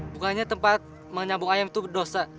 bukannya tempat menyambung ayam itu dosa